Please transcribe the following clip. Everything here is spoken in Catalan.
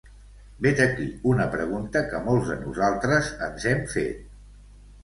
Vet aquí una pregunta que molts de nosaltres ens hem fet.